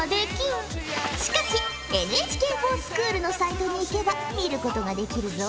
しかしＮＨＫｆｏｒＳｃｈｏｏｌのサイトに行けば見ることができるぞ！